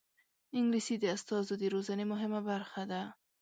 انګلیسي د استازو د روزنې مهمه برخه ده